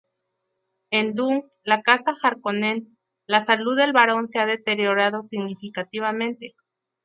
En "Dune: La Casa Harkonnen", la salud del barón se ha deteriorado significativamente.